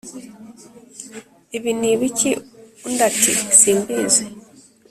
ibi ni ibiki?» Undi ati « simbizi.»